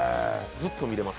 ずっと見れます。